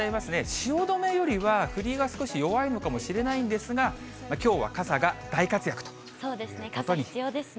汐留よりは降りが少し弱いのかもしれないんですが、きょうは傘がそうですね、傘必要ですね。